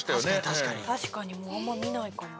確かにもうあんま見ないかも。